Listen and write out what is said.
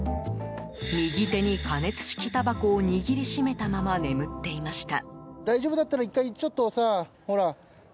右手に加熱式たばこを握り締めたまま眠っていました。